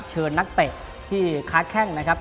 เชิญนักเตะที่ค้าแข้งนะครับ